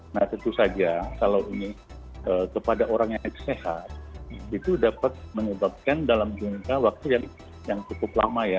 nah tentu saja kalau ini kepada orang yang sehat itu dapat menyebabkan dalam jangka waktu yang cukup lama ya